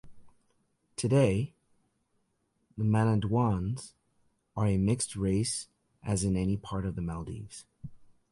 Today, the Manaduans are a mixed race as in any part of the Maldives.